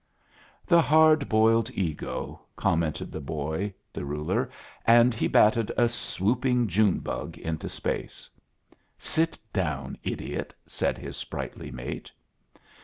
"The hard boiled ego," commented the boy the ruler; and he batted a swooping June bug into space. "Sit down, idiot," said his sprightly mate.